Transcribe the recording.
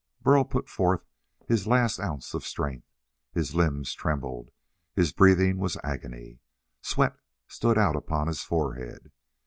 Burl put forth his last ounce of strength. His limbs trembled. His breathing was agony. Sweat stood out upon his forehead.